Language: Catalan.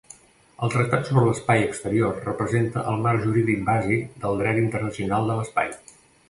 El Tractat sobre l'espai exterior representa el marc jurídic bàsic del dret internacional de l'espai.